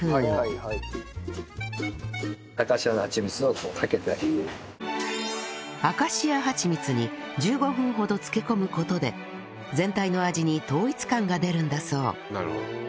ここでアカシアはちみつに１５分ほど漬け込む事で全体の味に統一感が出るんだそう